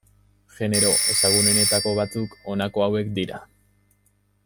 Genero ezagunenetako batzuk honako hauek dira.